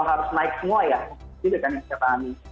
harus naik semua ya gitu kan saya pahami